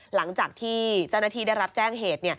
หลังจากที่เจ้าหน้าที่ได้รับแจ้งเหตุ